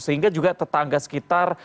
sehingga juga tetangga sekitar